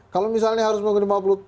kalau misalnya harus munggu lima puluh